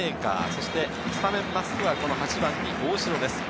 そしてスタメンマスクは８番に大城です。